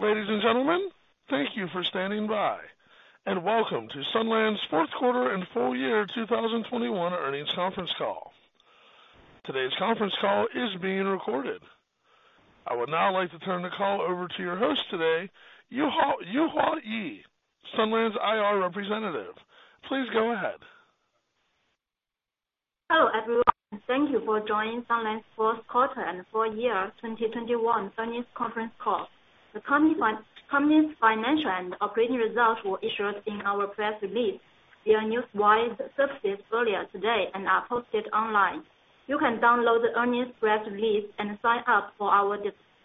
Ladies and gentlemen, thank you for standing by, and welcome to Sunlands' fourth quarter and full year 2021 earnings conference call. Today's conference call is being recorded. I would now like to turn the call over to your host today, Yuhua Ye, Sunlands' IR representative. Please go ahead. Hello, everyone. Thank you for joining Sunlands' fourth quarter and full year 2021 earnings conference call. The company's financial and operating results were issued in our press release via Newswire services earlier today and are posted online. You can download the earnings press release and sign up for our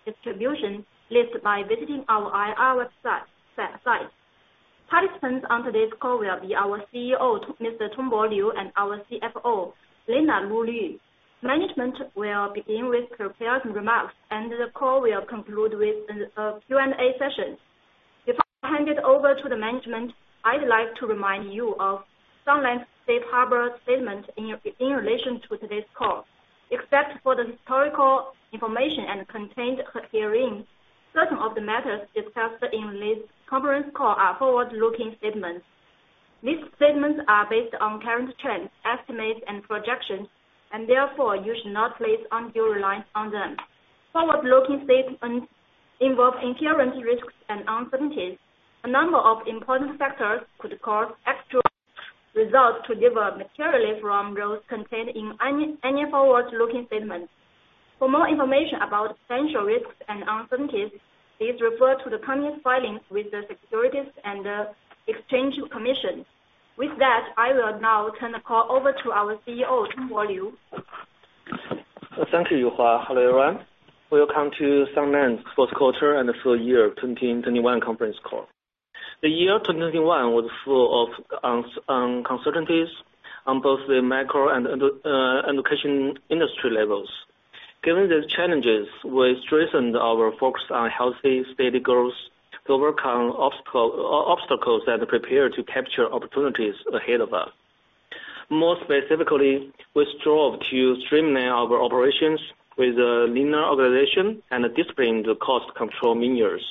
distribution list by visiting our IR website, site. Participants on today's call will be our CEO, Mr. Tongbo Liu, and our CFO, Selena Lu Lv. Management will begin with prepared remarks, and the call will conclude with a Q&A session. Before I hand it over to the management, I'd like to remind you of Sunlands' safe harbor statement in relation to today's call. Except for the historical information contained herein, certain of the matters discussed in this conference call are forward-looking statements. These statements are based on current trends, estimates and projections, and therefore you should not place undue reliance on them. Forward-looking statements involve inherent risks and uncertainties. A number of important factors could cause actual results to differ materially from those contained in any forward-looking statements. For more information about potential risks and uncertainties, please refer to the company's filings with the Securities and Exchange Commission. With that, I will now turn the call over to our CEO, Tongbo Liu. Thank you, Yuhua. Hello, everyone. Welcome to Sunlands' fourth quarter and full year 2021 conference call. The year 2021 was full of uncertainties on both the macro and education industry levels. Given the challenges, we strengthened our focus on healthy, steady growth to overcome obstacles and prepare to capture opportunities ahead of us. More specifically, we strove to streamline our operations with a leaner organization and disciplined cost control measures,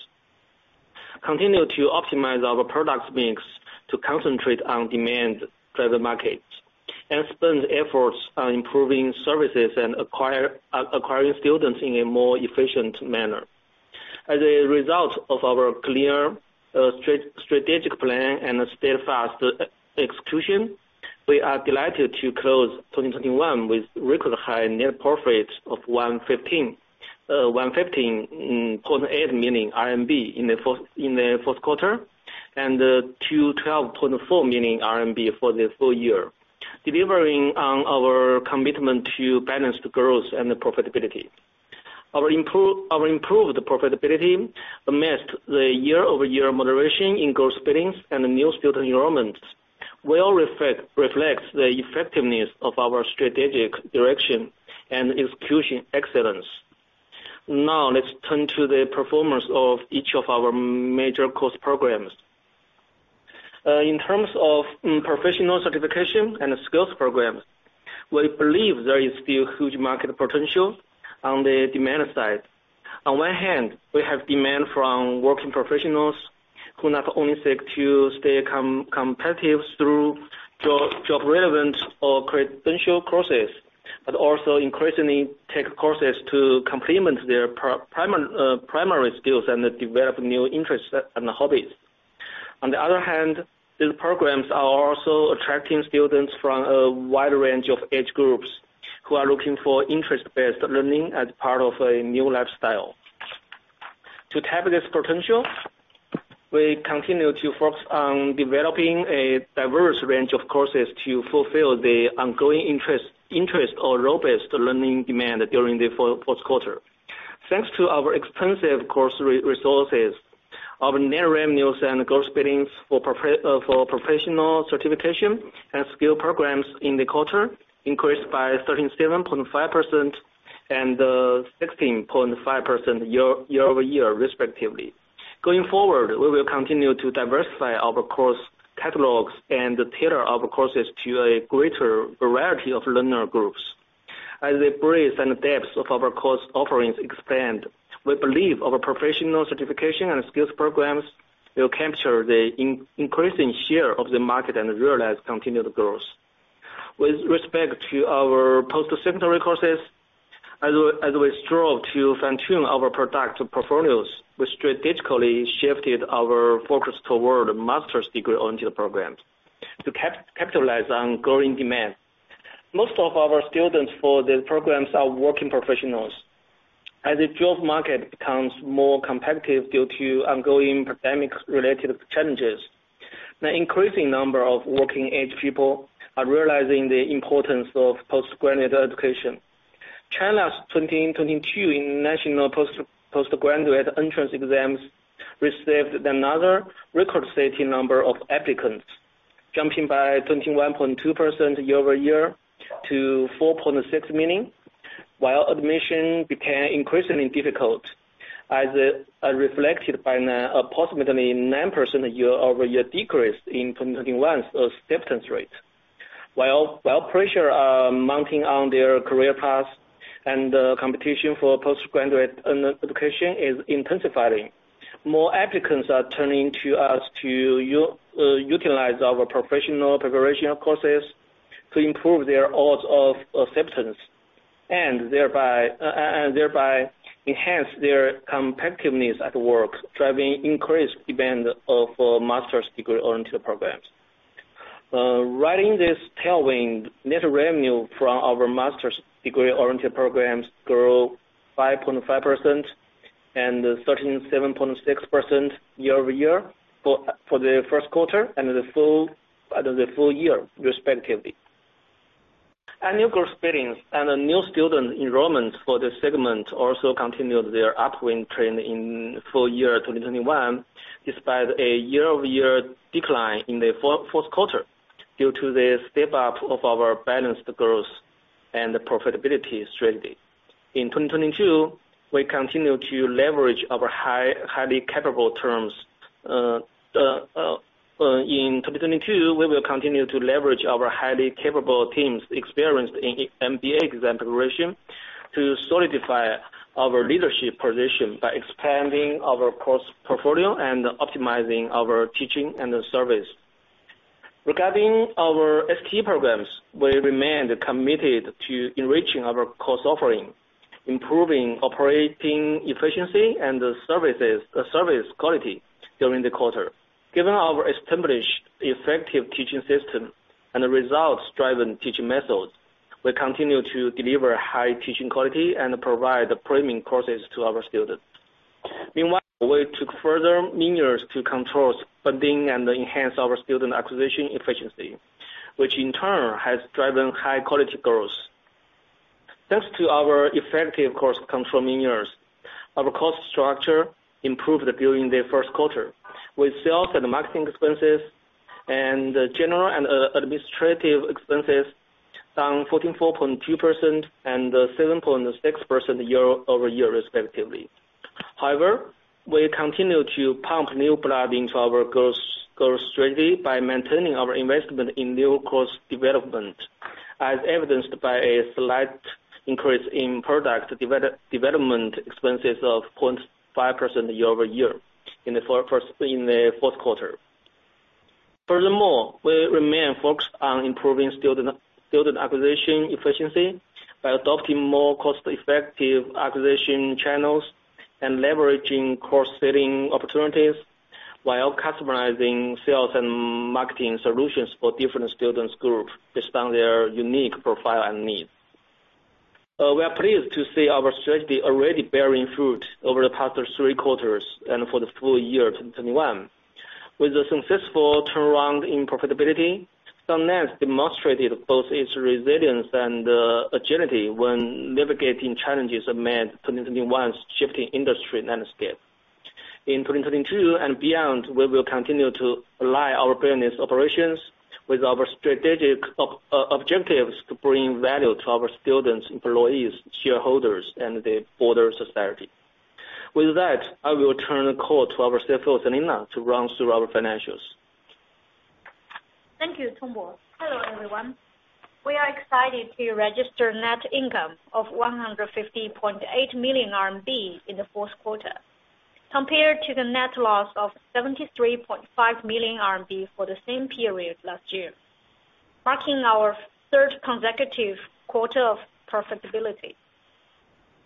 continue to optimize our product mix to concentrate on demand-driven markets, and spend efforts on improving services and acquiring students in a more efficient manner. As a result of our clear strategic plan and steadfast execution, we are delighted to close 2021 with record high net profits of 115.8 million RMB in the fourth quarter, and 212.4 million RMB for the full year, delivering on our commitment to balanced growth and profitability. Our improved profitability amidst the year-over-year moderation in course billings and new student enrollments well reflects the effectiveness of our strategic direction and execution excellence. Now, let's turn to the performance of each of our major course programs. In terms of professional certification and skills programs, we believe there is still huge market potential on the demand side. On one hand, we have demand from working professionals who not only seek to stay competitive through job relevant or credential courses, but also increasingly take courses to complement their primary skills and develop new interests and hobbies. On the other hand, these programs are also attracting students from a wide range of age groups who are looking for interest-based learning as part of a new lifestyle. To tap this potential, we continue to focus on developing a diverse range of courses to fulfill the ongoing interest or robust learning demand during the first quarter. Thanks to our expansive course resources, our net revenues and gross billings for professional certification and skills programs in the quarter increased by 13.5% and 16.5% year-over-year, respectively. Going forward, we will continue to diversify our course catalogs and tailor our courses to a greater variety of learner groups. As the breadth and depth of our course offerings expand, we believe our professional certification and skills programs will capture the increasing share of the market and realize continued growth. With respect to our post-secondary courses, as we strove to fine-tune our product portfolios, we strategically shifted our focus toward master's degree-only programs to capitalize on growing demand. Most of our students for these programs are working professionals. As the jobs market becomes more competitive due to ongoing pandemic-related challenges, an increasing number of working age people are realizing the importance of postgraduate education. China's 2022 national postgraduate entrance exams received another record-setting number of applicants, jumping by 21.2% year-over-year to 4.6 million, while admission became increasingly difficult, as reflected by an approximately 9% year-over-year decrease in 2021's acceptance rate. Pressure mounting on their career paths and competition for postgraduate education is intensifying, more applicants are turning to us to utilize our professional preparation courses to improve their odds of acceptance and thereby and thereby enhance their competitiveness at work, driving increased demand of master's degree-oriented programs. Riding this tailwind, net revenue from our master's degree-oriented programs grew 5.5% and 13.6% year-over-year for the first quarter and the full year respectively. New course billings and the new student enrollments for the segment also continued their upward trend in full year 2021, despite a year-over-year decline in the fourth quarter due to the step up of our balanced growth and profitability strategy. In 2022, we will continue to leverage our highly capable teams experienced in MBA exam preparation to solidify our leadership position by expanding our course portfolio and optimizing our teaching and the service. Regarding our STE programs, we remain committed to enriching our course offering, improving operating efficiency and the service quality during the quarter. Given our established effective teaching system and the results-driven teaching methods, we continue to deliver high teaching quality and provide the premium courses to our students. Meanwhile, we took further measures to control spending and enhance our student acquisition efficiency, which in turn has driven high quality growth. Thanks to our effective cost control measures, our cost structure improved during the first quarter, with sales and marketing expenses and general and administrative expenses down 14.2% and 7.6% year-over-year respectively. However, we continue to pump new blood into our growth strategy by maintaining our investment in new course development, as evidenced by a slight increase in product development expenses of 0.5% year-over-year in the fourth quarter. Furthermore, we remain focused on improving student acquisition efficiency by adopting more cost-effective acquisition channels and leveraging course-selling opportunities while customizing sales and marketing solutions for different students group based on their unique profile and needs. We are pleased to see our strategy already bearing fruit over the past three quarters and for the full year 2021. With a successful turnaround in profitability, Sunlands demonstrated both its resilience and agility when navigating challenges amid 2021's shifting industry landscape. In 2022 and beyond, we will continue to align our business operations with our strategic objectives to bring value to our students, employees, shareholders, and the broader society. With that, I will turn the call to our CFO, Selena, to run through our financials. Thank you, Tongbo. Hello, everyone. We are excited to register net income of 150.8 million RMB in the fourth quarter, compared to the net loss of 73.5 million RMB for the same period last year, marking our third consecutive quarter of profitability.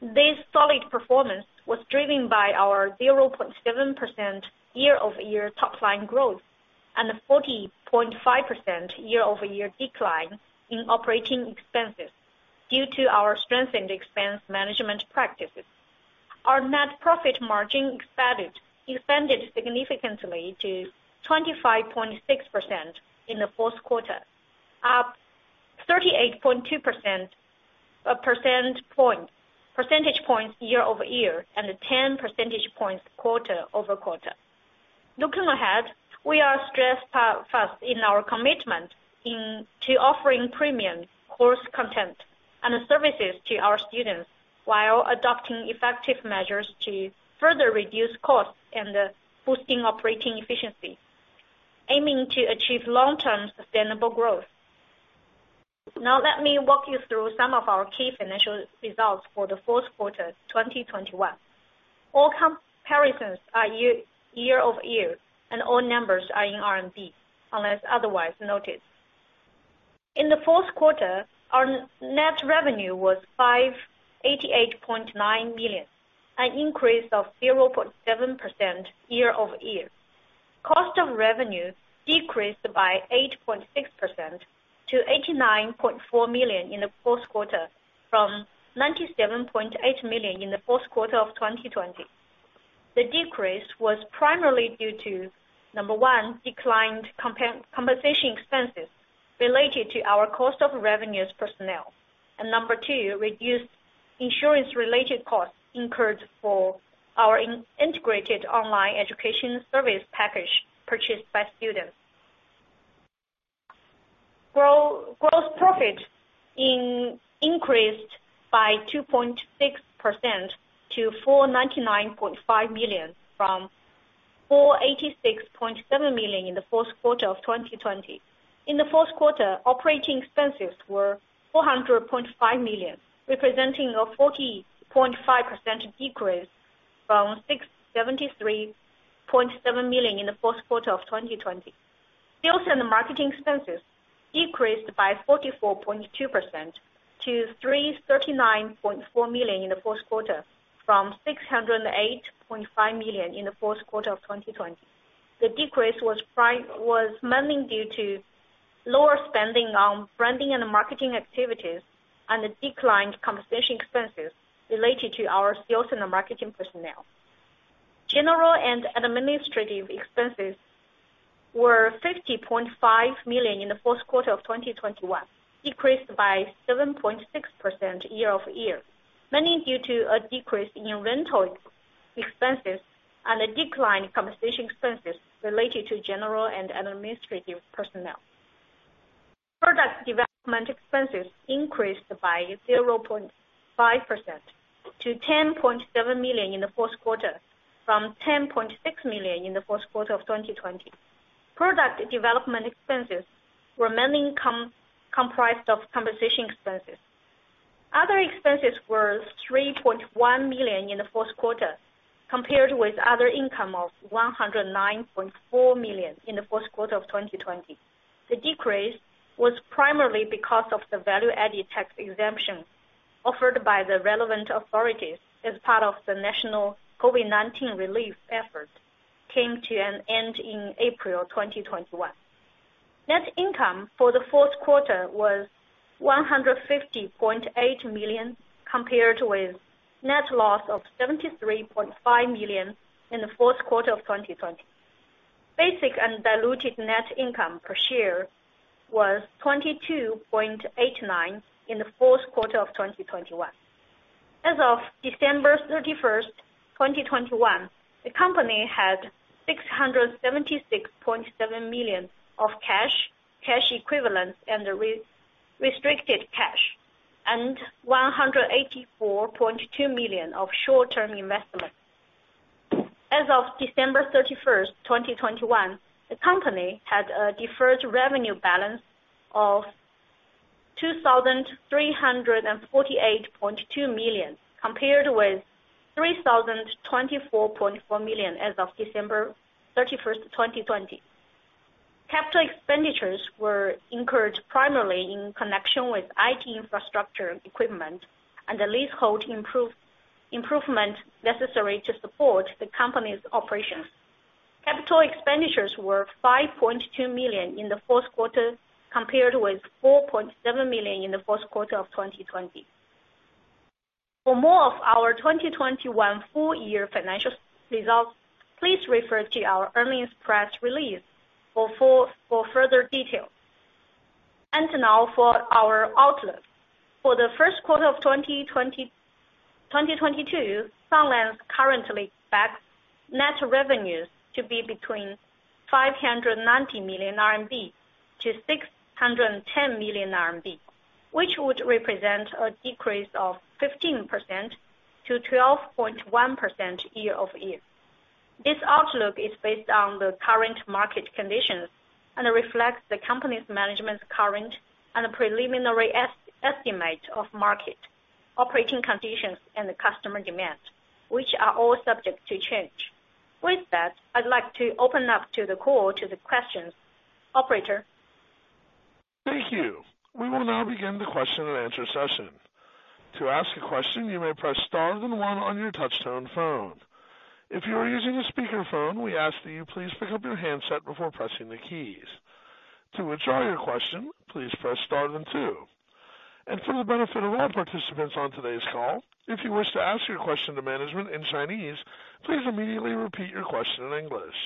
This solid performance was driven by our 0.7% year-over-year top line growth and a 40.5% year-over-year decline in operating expenses due to our strengthened expense management practices. Our net profit margin expanded significantly to 25.6% in the fourth quarter, up 38.2 percentage points year-over-year and 10 percentage points quarter-over-quarter. Looking ahead, we are steadfast in our commitment to offering premium course content and services to our students while adopting effective measures to further reduce costs and boosting operating efficiency, aiming to achieve long-term sustainable growth. Now, let me walk you through some of our key financial results for the fourth quarter 2021. All comparisons are year-over-year, and all numbers are in RMB unless otherwise noted. In the fourth quarter, our net revenue was 588.9 million, an increase of 0.7% year-over-year. Cost of revenue decreased by 8.6% to 89.4 million in the fourth quarter from 97.8 million in the fourth quarter of 2020. The decrease was primarily due to, number one, declined compensation expenses related to our cost of revenues personnel. Number two, reduced insurance related costs incurred for our integrated online education service package purchased by students. Gross profit increased by 2.6% to 499.5 million from 486.7 million in the fourth quarter of 2020. In the fourth quarter, operating expenses were 400.5 million, representing a 40.5% decrease from 673.7 million in the fourth quarter of 2020. Sales and marketing expenses decreased by 44.2% to 339.4 million in the fourth quarter from 608.5 million in the fourth quarter of 2020. The decrease was mainly due to lower spending on branding and marketing activities and the declined compensation expenses related to our sales and marketing personnel. General and administrative expenses were 50.5 million in the fourth quarter of 2021, decreased by 7.6% year-over-year, mainly due to a decrease in rental expenses and a decline in compensation expenses related to general and administrative personnel. Product development expenses increased by 0.5% to 10.7 million in the fourth quarter from 10.6 million in the fourth quarter of 2020. Product development expenses were mainly comprised of compensation expenses. Other expenses were 3.1 million in the fourth quarter, compared with other income of 109.4 million in the fourth quarter of 2020. The decrease was primarily because of the value-added tax exemption offered by the relevant authorities as part of the national COVID-19 relief effort, came to an end in April 2021. Net income for the fourth quarter was 150.8 million, compared with net loss of 73.5 million in the fourth quarter of 2020. Basic and diluted net income per share was 22.89 in the fourth quarter of 2021. As of December 31st, 2021, the company had 676.7 million of cash equivalents, and restricted cash, and 184.2 million of short-term investments. As of December 31, 2021, the company had a deferred revenue balance of 2,348.2 million, compared with 3,024.4 million as of December 31st, 2020. Capital expenditures were incurred primarily in connection with IT infrastructure equipment and the leasehold improvement necessary to support the company's operations. Capital expenditures were 5.2 million in the fourth quarter, compared with 4.7 million in the fourth quarter of 2020. For more of our 2021 full year financial results, please refer to our earnings press release for further details. Now for our outlook. For the first quarter of 2022, Sunlands currently expects net revenues to be between 590 million-610 million RMB, which would represent a decrease of 15% to 12.1% year-over-year. This outlook is based on the current market conditions and reflects the company's management's current and preliminary estimate of market operating conditions and the customer demand, which are all subject to change. With that, I'd like to open up to the call to the questions. Operator? Thank you. We will now begin the question and answer session. To ask a question, you may press star then one on your touch-tone phone. If you are using a speaker phone, we ask that you please pick up your handset before pressing the keys. To withdraw your question, please press star then two. For the benefit of all participants on today's call, if you wish to ask your question to management in Chinese, please immediately repeat your question in English.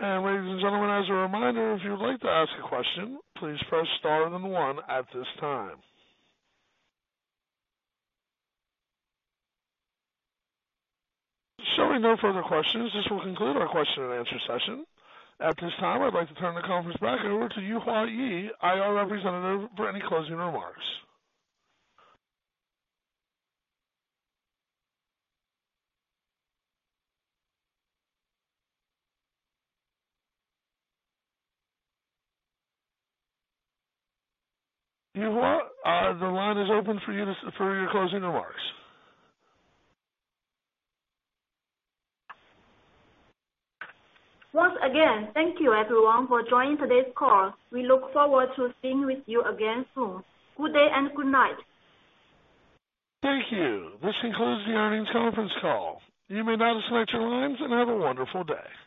Ladies and gentlemen, as a reminder, if you would like to ask a question, please press star and one at this time. Showing no further questions, this will conclude our question and answer session. At this time, I'd like to turn the conference back over to Yuhua Ye, IR Representative, for any closing remarks. Yuhua, the line is open for your closing remarks. Once again, thank you everyone for joining today's call. We look forward to being with you again soon. Good day and good night. Thank you. This concludes the earnings conference call. You may now disconnect your lines and have a wonderful day.